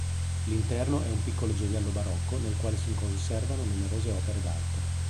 L'interno è un piccolo gioiello barocco, nel quale si conservano numerose opere d'arte.